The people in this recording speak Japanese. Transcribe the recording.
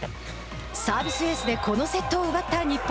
サービスエースでこのセットを奪った日本。